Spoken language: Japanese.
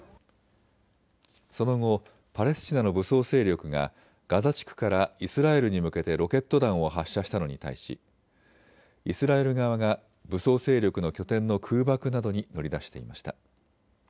その後、パレスチナの武装勢力がガザ地区からイスラエルに向けてロケット弾を発射したのに対しイスラエル側が武装勢力の拠点の空爆などに乗り出していました。